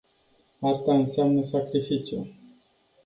Arta înseamnă sacrificiu.